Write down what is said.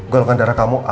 golongan darah kamu ab